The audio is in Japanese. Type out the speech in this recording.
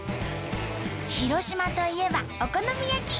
広島といえばお好み焼き！